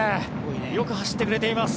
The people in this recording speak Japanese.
よく走ってくれています。